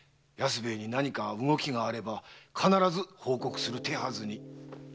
安兵衛に何か動きがあれば必ず報告する手はずに。